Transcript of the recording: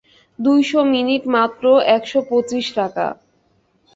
দুইশো মিনিট মাত্র একশো পঁচিশ টাকা।